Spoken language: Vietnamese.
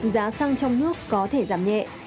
giá xăng trong nước có thể giảm nhẹ